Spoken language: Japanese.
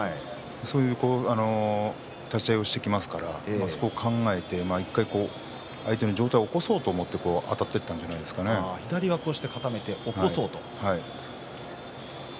そういう立ち合いをしてきますから、そこを考えて相手の上体を起こそうと思ってあたっていったんじゃ左を固めて起こそうとしたんですね。